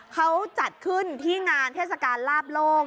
เขาจัดขึ้นที่งานเทศกาลลาบโลก